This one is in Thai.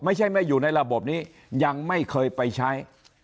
ไม่ใช่ไม่อยู่ในระบบนี้ยังไม่เคยไปใช้